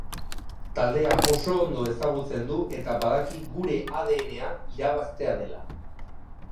Taldea oso ondo ezagutzen du eta badaki gure adn-a irabaztea dela.